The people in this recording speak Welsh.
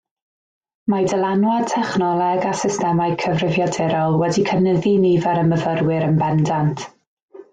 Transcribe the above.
Mae dylanwad technoleg a systemau cyfrifiadurol wedi cynyddu nifer y myfyrwyr yn bendant.